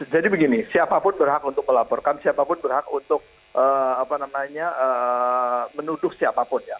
jadi begini siapapun berhak untuk melaporkan siapapun berhak untuk menuduh siapapun ya